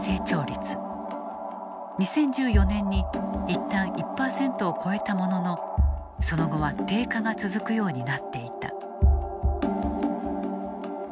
２０１４年にいったん１％を超えたもののその後は低下が続くようになっていた。